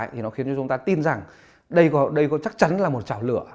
thì nó khiến cho chúng ta tin rằng đây có chắc chắn là một trào lửa